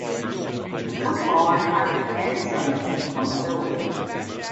The footballer Patric Andersson is from the village.